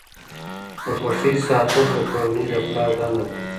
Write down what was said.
د خوښۍ ساتل د کورنۍ د پلار دنده ده.